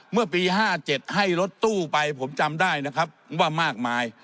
เมื่อปี๕๗ให้รถตู้ไปผมจำได้นะครับว่ามากมาย